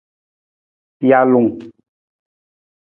Jalung.